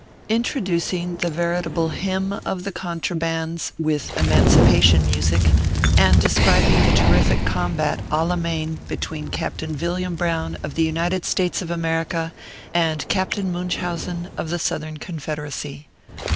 INTRODUCING THE VERITABLE "HYMN OF THE CONTRABANDS," WITH EMANCIPATION MUSIC, AND DESCRIBING THE TERRIFIC COMBAT A LA MAIN BETWEEN CAPTAIN VILLIAM BROWN, OF THE UNITED STATES OF AMERICA, AND CAPTAIN MUNCHAUSEN, OF THE SOUTHERN CON FEDERACY.